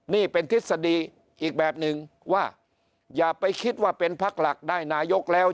นี่เป็นทฤษฎีอีกแบบหนึ่งว่าอย่าไปคิดว่าเป็นพักหลักได้นายกแล้ว